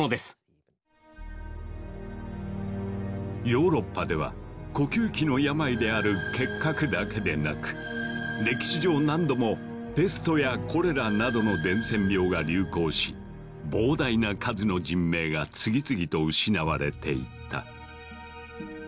ヨーロッパでは呼吸器の病である結核だけでなく歴史上何度もペストやコレラなどの伝染病が流行し膨大な数の人命が次々と失われていった。